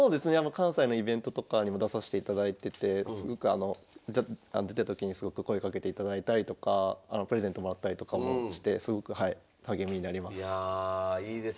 関西のイベントとかにも出さしていただいてて出た時にすごく声かけていただいたりとかプレゼントもらったりとかもしてすごくはい励みになります。